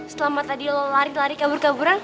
setelah mbak tadi lo lari lari kabur kaburan